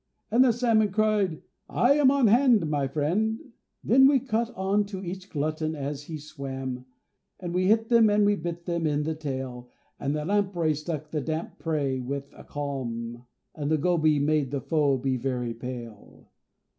And the Salmon cried "I am on hand, my friend." Then we cut on to each glutton as he swam, And we hit them, and we bit them in the tail, And the Lamprey struck the damp prey with a clam, And the Goby made the foe be very pale.